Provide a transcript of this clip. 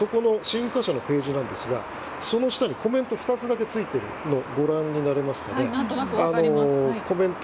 新華社のページなんですがその下にコメント２つだけついているのご覧になれますか？